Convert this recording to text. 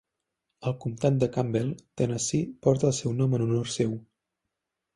El comptat de Campbell, Tennessee, porta el seu nom en honor seu.